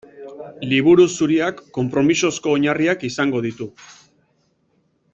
Liburu Zuriak konpromisozko oinarriak izango ditu.